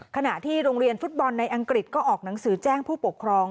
ขณะที่โรงเรียนฟุตบอลในอังกฤษก็ออกหนังสือแจ้งผู้ปกครอง